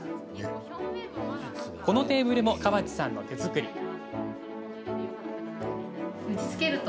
このテーブルも川地さんの手作り。